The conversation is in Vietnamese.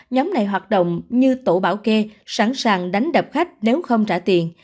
nhóm này hoạt động như tổ bảo kê sẵn sàng đánh đập khách nếu không trả tiền